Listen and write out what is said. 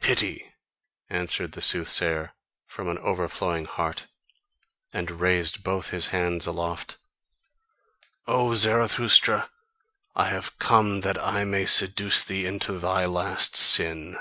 "PITY!" answered the soothsayer from an overflowing heart, and raised both his hands aloft "O Zarathustra, I have come that I may seduce thee to thy last sin!"